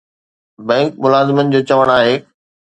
bank ملازمن جو چوڻ آهي